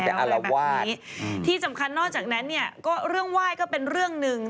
ไม่แต่อลาวาสที่สำคัญนอกจากนั้นเนี่ยเพราะว่าเรื่องไหว้ก็เป็นเรื่องนึง